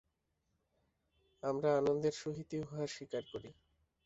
আমরা আনন্দের সহিতই উহা স্বীকার করি।